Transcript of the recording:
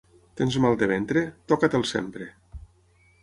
Tens mal de ventre? Toca-te'l sempre.